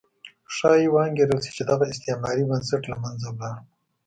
ښایي وانګېرل شي چې دغه استعماري بنسټ له منځه لاړ.